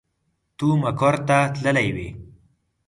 ته مقر ته تللې وې.